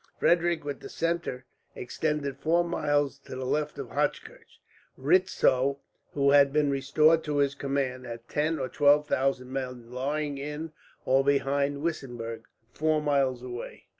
Frederick, with the centre, extended four miles to the left of Hochkirch. Retzow, who had been restored to his command, had ten or twelve thousand men lying in or behind Weissenberg, four miles away.